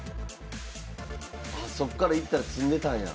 ああそっからいったら詰んでたんや。